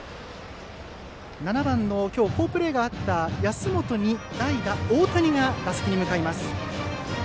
７番、今日好プレーがあった安本に代打、大谷が打席に向かいます。